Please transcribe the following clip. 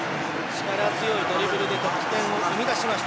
力強いドリブルで得点を生み出しました